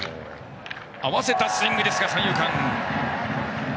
合わせたスイング、三遊間。